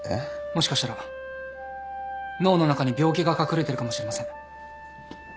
もしかしたら脳の中に病気が隠れてるかもしれません。